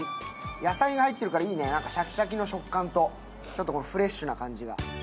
野菜が入ってるからいいね、シャキシャキの食感とちょっとフレッシュな感じが。